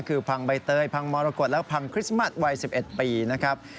คือพังใบเตยพังมรกฏและพังคริสต์มัสวัย๑๑ปีนะครับ